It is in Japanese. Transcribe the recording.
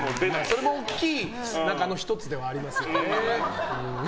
それも大きい１つではありますよね。